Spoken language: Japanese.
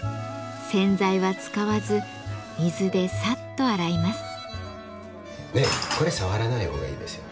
洗剤は使わず水でサッと洗います。